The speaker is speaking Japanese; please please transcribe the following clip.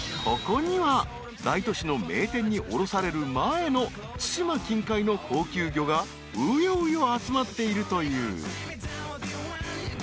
［ここには大都市の名店に卸される前の対馬近海の高級魚がうようよ集まっているという］